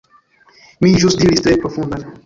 Mi ĵus diris "tre profundan."